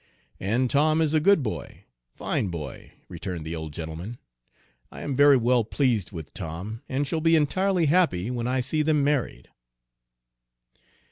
"And Tom is a good boy a fine boy," returned the old gentleman. "I am very well pleased with Tom, and shall be entirely happy when I see them married."